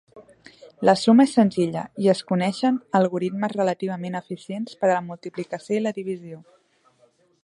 La suma és senzilla i es coneixien algoritmes relativament eficients per a la multiplicació i la divisió.